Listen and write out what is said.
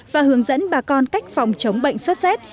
và hướng dẫn bà con cách phòng chống bệnh sốt xét